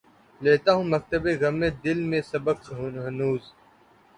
لیتا ہوں مکتبِ غمِ دل میں سبق ہنوز